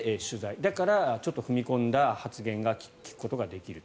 だからちょっと踏み込んだ発言を聞くことができると。